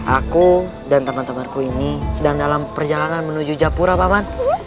aku dan teman temanku ini sedang dalam perjalanan menuju japura paman